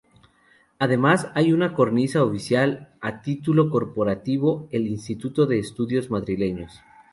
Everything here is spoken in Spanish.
Además, hay un cronista oficial a título corporativo, el Instituto de Estudios Madrileños.